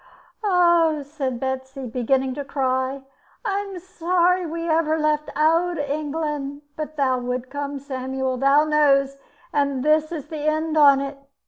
"Oh!" said Betsy, beginning to cry; "I'm sorry we ever left owd England. But thou would come, Samiul, thou knows, and this is the end on it.